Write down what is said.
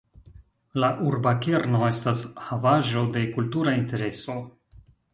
La urba kerno estas Havaĵo de Kultura Intereso.